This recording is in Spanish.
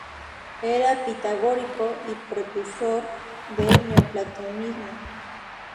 Era pitagórico y precursor del neoplatonismo.